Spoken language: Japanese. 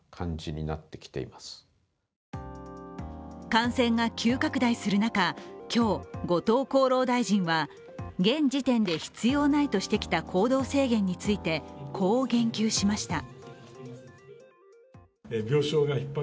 感染が急拡大する中、今日、後藤厚労大臣は現時点で必要ないとしてきた行動制限について、こう言及しました。